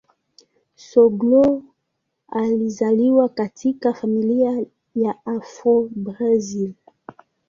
Soglo alizaliwa katika familia ya Afro-Brazil.